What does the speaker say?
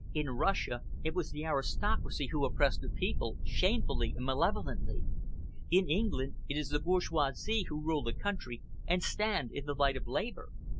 "In Russia it was the aristocracy who oppressed the people, shamefully and malevolently. In England it is the bourgeoisie who rule the country and stand in the light of Labour.